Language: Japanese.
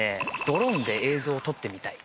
ドローンで映像を撮ってみたい。